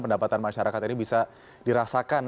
pendapatan masyarakat ini bisa dirasakan